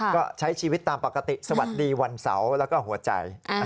ก็ใช้ชีวิตตามปกติสวัสดีวันเสาร์แล้วก็หัวใจ